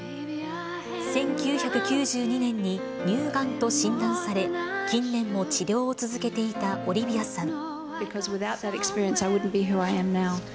１９９２年に乳がんと診断され、近年も治療を続けていたオリビアさん。